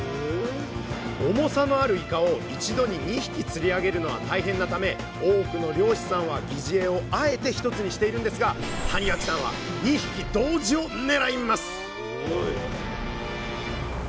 重さのあるイカを一度に２匹釣り上げるのは大変なため多くの漁師さんは擬似餌をあえて１つにしているんですが谷脇さんは２匹同時を狙いますすごい！